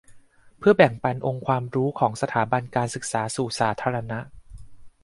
เพื่อแบ่งปันองค์ความรู้ของสถาบันการศึกษาสู่สาธารณะ